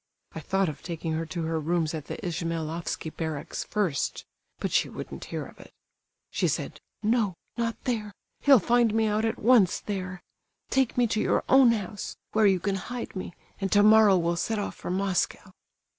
I thought of taking her to her rooms at the Ismailofsky barracks first; but she wouldn't hear of it. She said, 'No—not there; he'll find me out at once there. Take me to your own house, where you can hide me, and tomorrow we'll set off for Moscow.